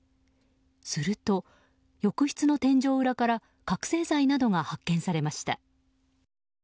すると、浴室の天井裏から覚醒剤などが発見されました。